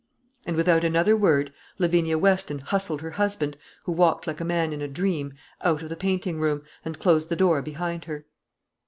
And without another word Lavinia Weston hustled her husband, who walked like a man in a dream, out of the painting room, and closed the door behind her.